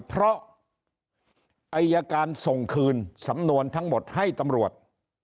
เพราะอายการส่งคืนสำนวนทั้งหมดให้ตำรวจ